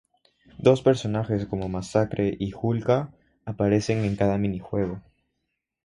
Dos personajes como Masacre y Hulka aparecen en cada mini-juego.